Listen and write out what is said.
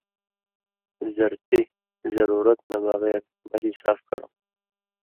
زرتی (ضرورت) نہ بغیر مری صاف کرؤں،